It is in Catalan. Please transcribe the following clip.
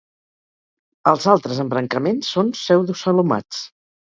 Els altres embrancaments són pseudocelomats.